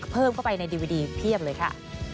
เพิ่มเข้าไปในดิวิดีเพียบเลยค่ะ